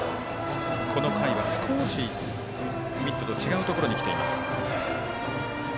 この回は、少しミットと違うところにきています。